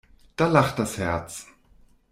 Da lacht das Herz.